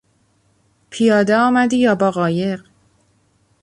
پیاده آمدی یا با قایق؟